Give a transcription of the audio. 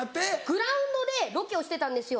グラウンドでロケをしてたんですよ。